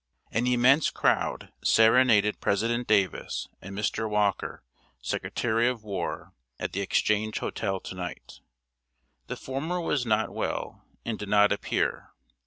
An immense crowd serenaded President Davis and Mr. Walker, Secretary of War, at the Exchange Hotel to night. The former was not well, and did not appear.